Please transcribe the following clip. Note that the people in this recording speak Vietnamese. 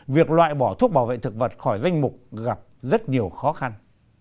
việc loại bỏ thuốc bảo vệ thực vật khỏi danh mục gặp rất nhiều khó khăn